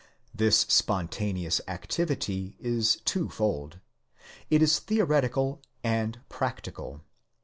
This spontaneous activity is twofold : it is theoretical and practical.